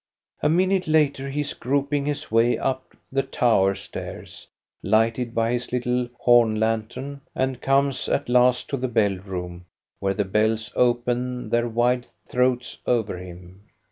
A minute later he is groping his way up the tower stairs, lighted by his little horn lantern, and comes at last to the bell room, where the bells open their wide throats over him.